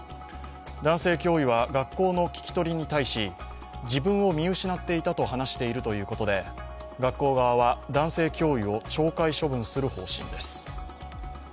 男性教諭は学校の聞き取りに対し自分を見失っていたと話しているということで学校側は男性教諭を懲戒処分する方針です。